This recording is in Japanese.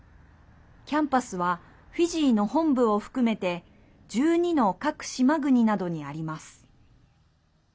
キャンパスはフィジーの本部を含めて１２の各島国などにあります。